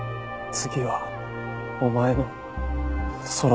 次はお前のソロ。